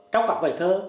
trong các bài thơ